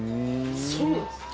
そうなんですね。